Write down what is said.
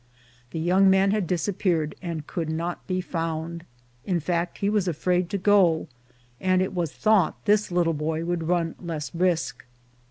The young man had disappeared and could not be found ; in fact, he was afraid to go, and it was thought this little boy would run less risk.